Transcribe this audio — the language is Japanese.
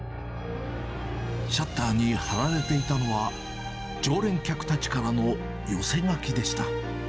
シャッターに貼られていたのは、常連客たちからの寄せ書きでした。